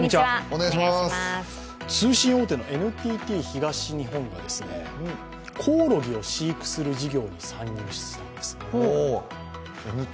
通信大手のＮＴＴ東日本がコオロギを飼育する事業に参入するんですって。